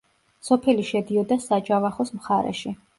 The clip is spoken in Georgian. სოფელი შედიოდა საჯავახოს მხარეში.